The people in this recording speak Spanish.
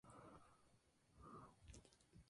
Fue hijo de Mariano Sanz y Tomasa León.